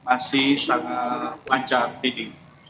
komunikasi sangat lancar vidi